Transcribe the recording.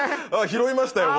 拾いましたよ